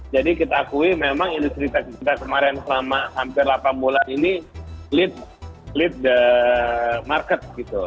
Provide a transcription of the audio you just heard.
jadi kita akui memang industri nya kita kemarin selama hampir delapan bulan ini lead market gitu